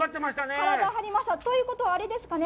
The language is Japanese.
体を張りました、ということは、あれですかね。